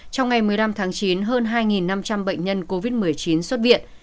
trong ngày một mươi năm tháng chín hơn hai năm trăm linh bệnh nhân covid một mươi chín xuất viện